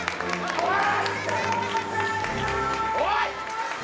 おい！